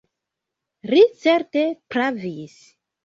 Li certe pravis.